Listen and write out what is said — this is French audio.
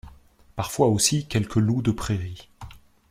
Parfois aussi, quelques loups de prairies...